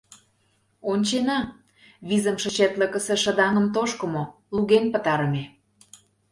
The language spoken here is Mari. Ончена, визымше четлыкысе шыдаҥым тошкымо, луген пытарыме.